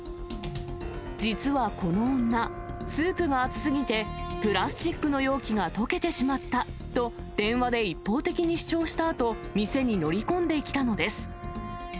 実はこの女、スープが熱すぎてプラスチックの容器が溶けてしまったと、電話で一方的に主張したあと、店に乗り込んできたのです。